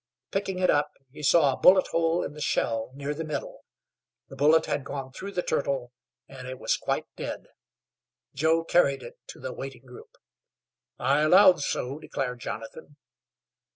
Picking it up, he saw a bullet hole in the shell near the middle. The bullet had gone through the turtle, and it was quite dead. Joe carried it to the waiting group. "I allowed so," declared Jonathan.